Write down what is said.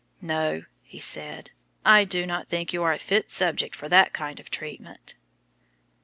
"No," he said; "I do not think you are a fit subject for that kind of treatment."